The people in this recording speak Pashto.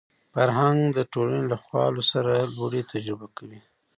فرهنګ د ټولنې له خوالو سره لوړې تجربه کوي